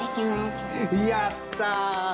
やった！